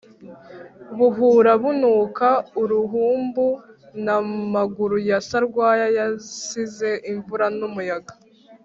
Buhuru bunuka uruhumbu, na Maguru ya Sarwaya yasize imvura n’umuyaga